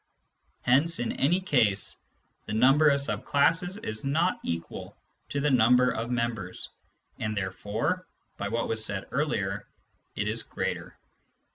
Hence in any case the number of sub classes is not equal to the number of members, and therefore, by what was said earlier, it is greater.